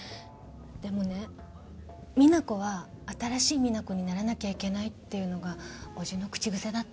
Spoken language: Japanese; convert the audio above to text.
でもね「実那子は新しい実那子にならなきゃいけない」っていうのが伯父の口癖だった。